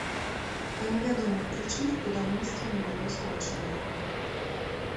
Па невядомых прычынах будаўніцтва не было скончанае.